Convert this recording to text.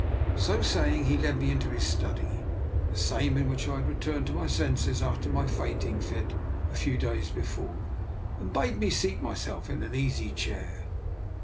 So saying, he led me into his study, the same in which I had returned to my senses after my fainting fit a few days before, and bade me seat myself in an easy chair.